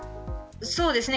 そうですね。